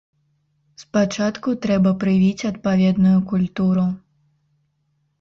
Спачатку трэба прывіць адпаведную культуру.